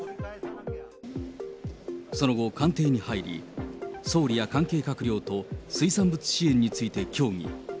その後、官邸に入り、総理や関係閣僚と水産物支援について協議。